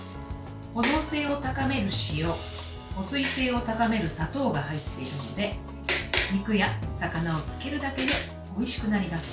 保存性を高める塩保水性を高める砂糖が入っているので肉や魚を漬けるだけでおいしくなります。